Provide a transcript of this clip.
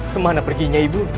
kemana perginya ibu nda